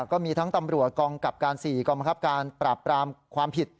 ก็มีทั้งตำรวจกองกับการ๔กองบังคับการปราบปรามความผิด